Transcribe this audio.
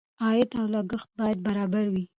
عاید او لګښت باید برابر وي.